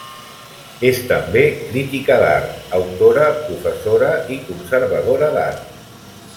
És també crítica d'art, autora, professora i conservadora d'art.